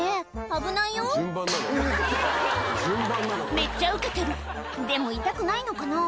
危ないよめっちゃウケてるでも痛くないのかな？